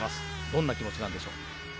どんな気持ちなんでしょう。